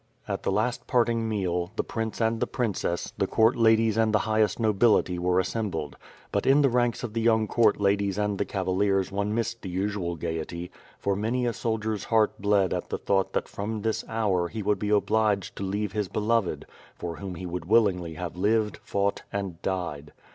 At the last parting meal, the prince and the princess, the court ladies and the highest nobility were assembled; but in the ranks of the young court ladies and the cavaliers one missed the usual gaiety; for many a soldier's heart bled at the thought that from this hour he would be obliged to leave his beloved, for whom he would willingly have lived, fought, and died.